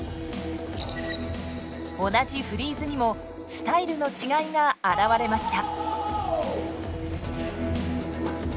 同じフリーズにもスタイルの違いが表れました。